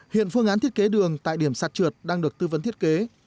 hiện phương án thiết kế đường tại điểm sạt trượt đang được tư vấn thiết kế